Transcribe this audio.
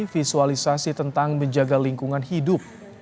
visualisasi tentang menjaga lingkungan hidup